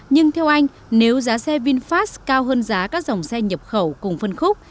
nhưng theo anh nếu giá xe vinfast cao hơn giá các dòng xe nhập khẩu cùng phân khúc